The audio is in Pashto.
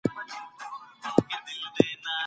مجاهد تل د خپل دین بیرغ رپوی.